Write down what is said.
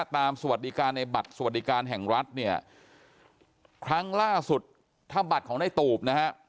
สวัสดิการในบัตรสวัสดิการแห่งรัฐเนี่ยครั้งล่าสุดถ้าบัตรของในตูบนะฮะ